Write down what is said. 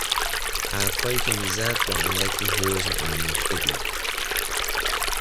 حرفهایی که میزد بااندکی حزن آمیخته بود.